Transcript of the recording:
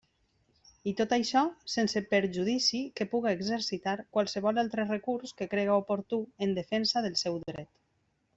I tot això sense perjudici que puga exercitar qualsevol altre recurs que crega oportú en defensa del seu dret.